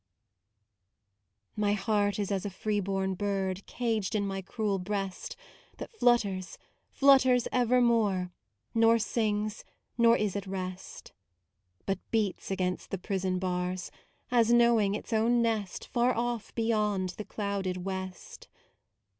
My heart is as a free born bird Caged in my cruel breast, That flutters, flutters evermore, Nor sings, nor is at rest. MAUDE 101 But beats against the prison bars, As knowing its own nest Far off beyond the clouded West.